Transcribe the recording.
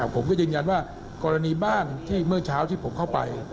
ผมก็ยืนยันว่ากรณีบ้านที่เมื่อเช้าที่ผมเข้าไป